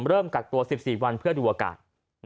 เริ่มกักตัว๑๔วันเพื่อดูอากาศ